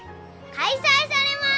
開催されます！